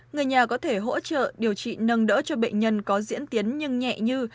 người nhà có thể hỗ trợ điều trị nâng đỡ cho bệnh nhân có diễn tiến nhưng nhẹ như